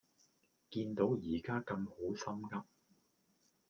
見都而家咁好心悒